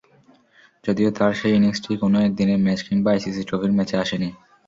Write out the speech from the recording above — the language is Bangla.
যদিও তাঁর সেই ইনিংসটি কোনো একদিনের ম্যাচ কিংবা আইসিসি ট্রফির ম্যাচে আসেনি।